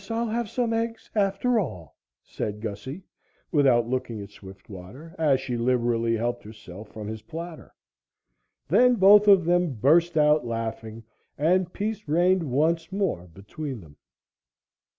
] "I guess I'll have some eggs, after all," said Gussie, without looking at Swiftwater, as she liberally helped herself from his platter. Then both of them burst out laughing and peace reigned once more between them.